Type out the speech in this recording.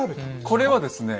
これはですね